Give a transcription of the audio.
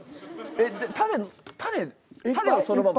種種種はそのまま。